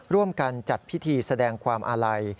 ร่วมกันจัดพิธีแสดงความอาลัย